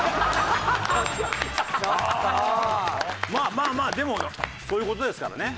まあまあまあでもそういう事ですからね。